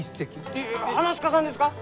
いや噺家さんですか！？